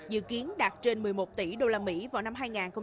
dự kiến đạt trên một mươi một tỷ usd vào năm hai nghìn hai mươi